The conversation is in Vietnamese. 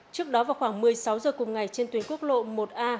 trước đó vào khoảng một mươi sáu h cùng ngày trên tuyến quốc lộ một a